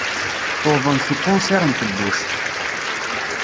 Tuḍen s ukansir n tebbuct.